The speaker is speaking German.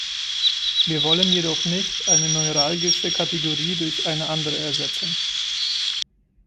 Wir wollen jedoch nicht eine neuralgische Kategorie durch eine andere ersetzen.